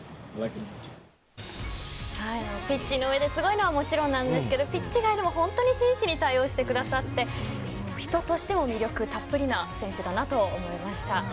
ピッチの上で、すごいのはもちろんなんですけどピッチ外でも本当に真摯に対応してくださって人としても魅力たっぷりな選手だなと思いました。